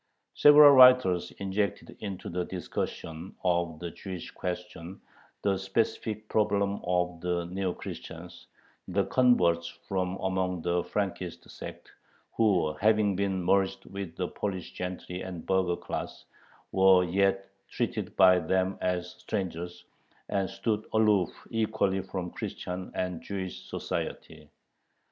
Several writers injected into the discussion of the Jewish question the specific problem of the Neo Christians, the converts from among the Frankist sect, who, having been merged with the Polish gentry and burgher class, were yet treated by them as strangers, and stood aloof equally from Christian and Jewish society.